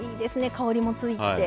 香りもついて。